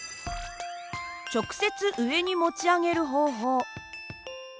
直接上に持ち上げる方法。